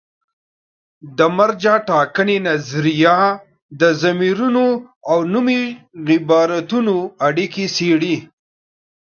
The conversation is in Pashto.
د مرجع ټاکنې نظریه د ضمیرونو او نومي عبارتونو اړیکې څېړي.